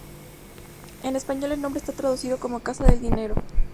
En español el nombre está traducido como "casa del dinero".